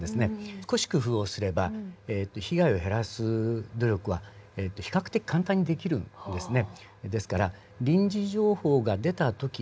少し工夫をすれば被害を減らす努力は比較的簡単にできるんですね。